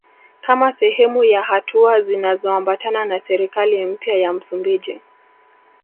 Kama sehemu ya hatua zinazoambatana na serikali mpya ya Msumbiji